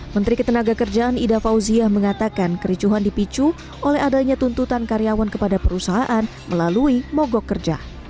menteri ketenaga kerjaan ida fauziah mengatakan kericuhan dipicu oleh adanya tuntutan karyawan kepada perusahaan melalui mogok kerja